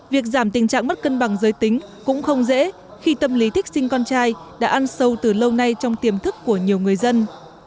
việc giảm tình trạng mất cân bằng giới tính cũng không dễ khi tâm lý thích sinh con trai đã ăn sâu từ lâu nay trong tiềm thức của nhiều người dân